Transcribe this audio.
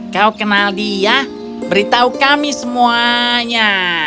kau kenal dia beritahu kami semuanya